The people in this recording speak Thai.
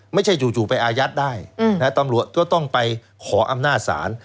จู่ไปอายัดได้ตำรวจก็ต้องไปขออำนาจศาล